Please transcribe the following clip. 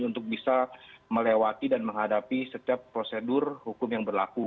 untuk bisa melewati dan menghadapi setiap prosedur hukum yang berlaku